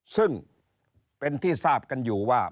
ซึ่งเป็นที่ทราบกันอยู่ว่า